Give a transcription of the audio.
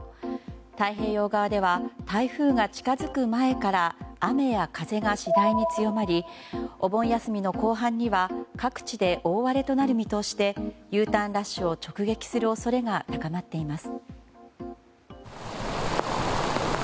太平洋側では台風が近づく前から雨や風が次第に強まりお盆休みの後半には各地で大荒れとなる見通しでＵターンラッシュを直撃する恐れが高まっています。